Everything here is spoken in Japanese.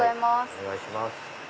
お願いします。